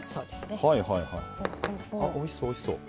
あおいしそうおいしそう。